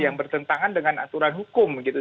yang bertentangan dengan aturan hukum gitu